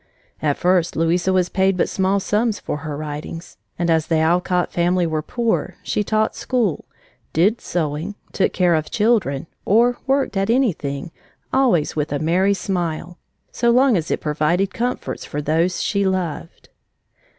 At first Louisa was paid but small sums for her writings, and as the Alcott family were poor, she taught school, did sewing, took care of children, or worked at anything, always with a merry smile, so long as it provided comforts for those she loved.